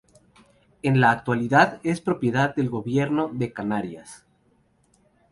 En la actualidad es propiedad del Gobierno de Canarias.